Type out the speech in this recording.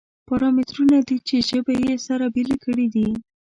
پارامترونه دي چې ژبې یې سره بېلې کړې دي.